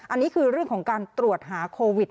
อันนี้คือเรื่องของการตรวจหาโควิด